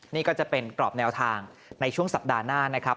นี่ก็จะเป็นกรอบแนวทางในช่วงสัปดาห์หน้านะครับ